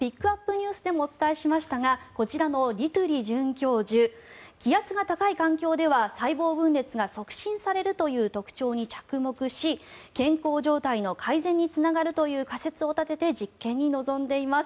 ＮＥＷＳでもお伝えしましたがこちらのディトゥリ准教授気圧が高い環境では細胞分裂が促進されるという特徴に着目し健康状態の改善につながるという仮説を立てて実験に臨んでいます。